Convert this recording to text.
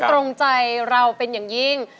ตรงใจเราเป็นอย่างยิ่ง